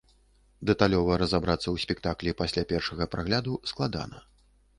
Дэталёва разабрацца ў спектаклі пасля першага прагляду складана.